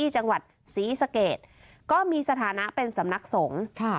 จังหวัดศรีสะเกดก็มีสถานะเป็นสำนักสงฆ์